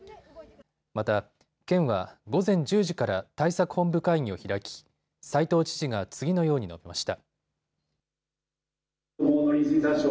また、県は午前１０時から対策本部会議を開き斎藤知事が次のように述べました。